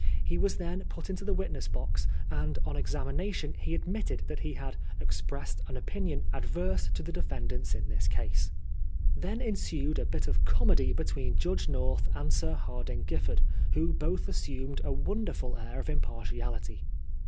He was then put into the witness box, and on examination he ad mitted that he " had expressed an opinion adverse to the defendants in this case." Then ensued a bit of comedy between Judge North and Sir Hardinge Giflferd, who both assumed a wonder ful air of impartiality.